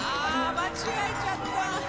間違えちゃった！